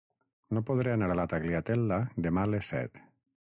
No podré anar a la Tagliatella demà a les set.